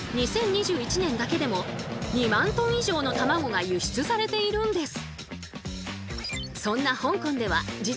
２０２１年だけでも２万トン以上のたまごが輸出されているんです。